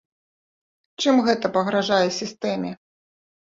Чым гэта пагражае сістэме?